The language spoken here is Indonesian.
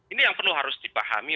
ini yang perlu harus dipahami